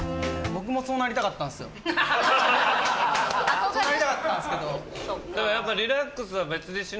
そうなりたかったんですけど。